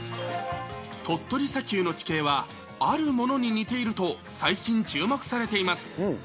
鳥取砂丘の地形はあるものに似ていると最近注目されています。